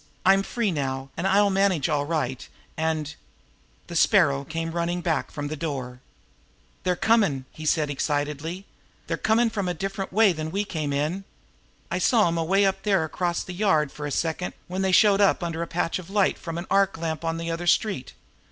I'm free now, and I'll manage all right, and " The Sparrow came running back from the door. "They're comm'!" he said excitedly. "They're comm' from a different way than we came in. I saw 'em sway up there across the yard for a second when they showed up under a patch of light from an arc lamp on the other street.